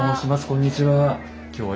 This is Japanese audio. こんにちは。